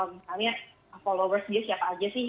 misalnya followers dia siapa aja sih